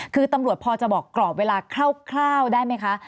คือตำรวจพอจะบอกกรอบเวลาคร่าวได้ไหมคะ